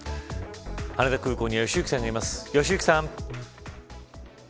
羽田空港には良幸さんがいます。